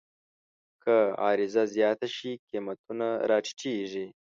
که عرضه زیاته شي، قیمتونه راټیټېږي.